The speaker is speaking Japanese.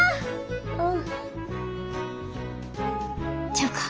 ちゃうか。